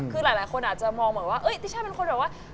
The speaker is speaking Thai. คือหลายคนอาจจะมองเหมือนว่าติช่าเป็นคนแบบว่า